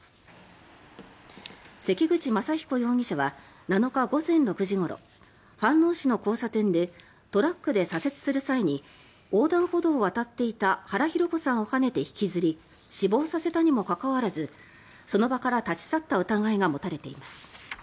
関口雅彦容疑者は７日午前６時ごろ飯能市の交差点でトラックで左折する際に横断歩道を渡っていた原弘子さんをはねて引きずり死亡させたにもかかわらずその場から立ち去った疑いが持たれています。